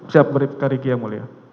siap beribka riki yang mulia